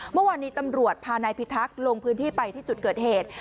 เมื่อวานนี้ตำรวจพานายพิทักษ์ลงพื้นที่ไปที่จุดเกิดเหตุ